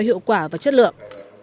hiệu quả và chất lượng